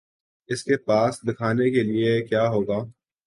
اس کے پاس دکھانے کے لیے کیا ہو گا؟